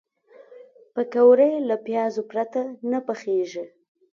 پکورې له پیازو پرته نه پخېږي